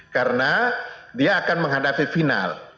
karena dia akan menghadapi final